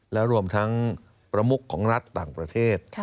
และรวมทั้งประมุขของรัฐต่างประเทศ